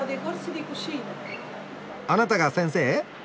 あなたが先生？